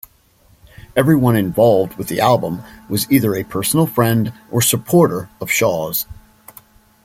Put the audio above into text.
Everyone involved with the album was either a personal friend or supporter of Shaw's.